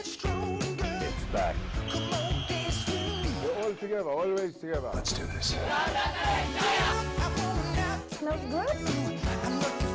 sampai jumpa di video selanjutnya